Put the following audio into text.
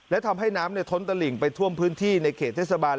และทำให้น้ำท้นตะหลิ่งไปท่วมพื้นที่ในเขตเทศบาล